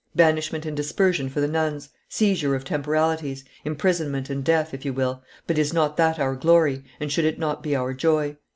Banishment and dispersion for the nuns, seizure of temporalities, imprisonment and death, if you will; but is not that our glory, and should it not be our joy?